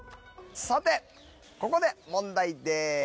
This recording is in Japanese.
さてここで問題です。